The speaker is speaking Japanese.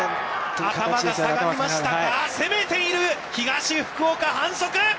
頭が下がりましたが、攻めている東福岡、反則。